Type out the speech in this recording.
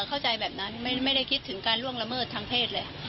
เข้าใจแบบนั้นไม่ได้คิดถึงการล่วงละเมิดทางเพศเลย